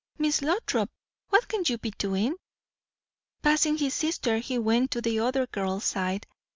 "Miss Lothrop, what can you be doing?" Passing his sister he went to the other girl's side.